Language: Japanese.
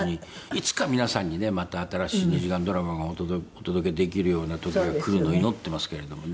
いつか皆さんにねまた新しい２時間ドラマをお届けできるような時がくるのを祈ってますけれどもね。